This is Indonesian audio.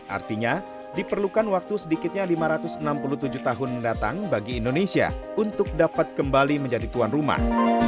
artinya diperlukan waktu sedikitnya lima ratus enam puluh tujuh tahun mendatang bagi indonesia untuk dapat kembali menjadi tuan rumah